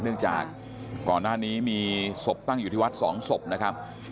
เนื่องจากก่อนหน้านี้มีศพตั้งอยู่ที่วัดสองศพนะครับ